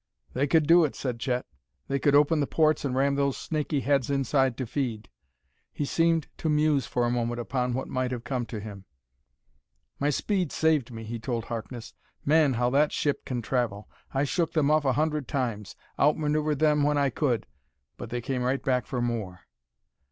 "They could do it," said Chet. "They could open the ports and ram those snaky heads inside to feed." He seemed to muse for a moment upon what might have come to him. "My speed saved me," he told Harkness. "Man, how that ship can travel! I shook them off a hundred times outmaneuvered them when I could but they came right back for more.